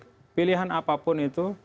kepentingan apapun itu